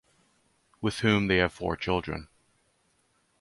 With whom they have four children.